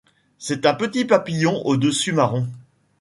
C'est un petit papillon au dessus marron.